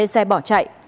xe bỏ chạy